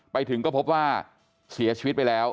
ไปถึงก็พบว่าเสียชีวิตไปแล้ว